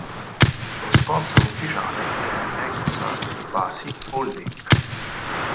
Lo sponsor principale è "Eczacıbaşı Holding".